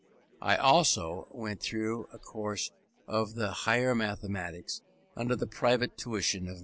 I also went through a course of the higher mathematics under the private tuition of M.